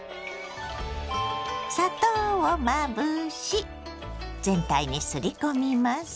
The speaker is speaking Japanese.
砂糖をまぶし全体にすり込みます。